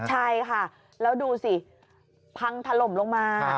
ใช่ค่ะแล้วดูสิพังถล่มลงมา